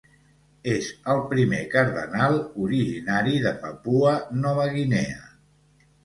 És el primer cardenal originari de Papua Nova Guinea.